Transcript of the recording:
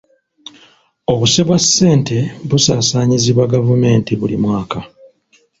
Obuse bwa ssente busaasaanyizibwa gavumenti buli mwaka.